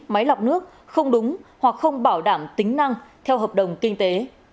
máy lọc nước không đúng hoặc không bảo đảm tính năng theo hợp đồng kinh tế